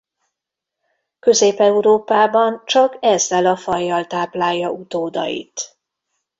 Közép-Európában csak ezzel a fajjal táplálja utódait.